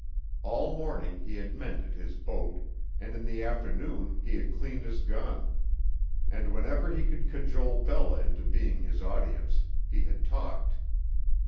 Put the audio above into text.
All morning he had mended his boat, and in the afternoon he had cleaned his gun; and whenever he could cajole Bella into being his audience, he had talked.